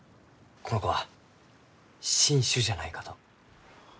この子は新種じゃないかと。